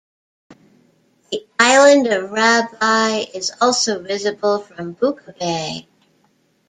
The island of Rabi is also visible from Buca Bay.